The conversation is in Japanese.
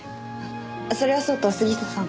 それはそうと杉下さん